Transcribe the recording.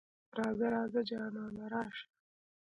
راځه ـ راځه جانانه راشه.